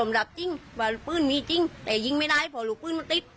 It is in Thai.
เออหึ